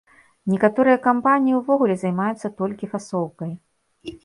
Некаторыя кампаніі ўвогуле займаюцца толькі фасоўкай.